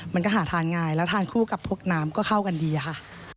มันก็หาทานง่ายแล้วทานคู่กับพวกน้ำก็เข้ากันดีค่ะ